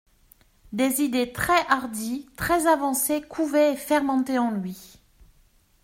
Des idées très hardies, très avancées, couvaient et fermentaient en lui.